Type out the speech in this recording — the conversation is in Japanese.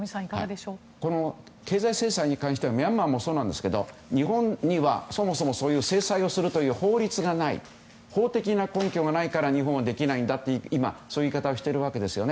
この経済制裁に関してはミャンマーもそうなんですが日本にはそもそも、そういう制裁をするという法律がない法的な根拠がないから日本はできないんだという言い方を今しているわけですね。